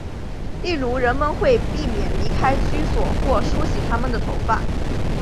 例如人们会避免离开居所或梳洗他们的头发。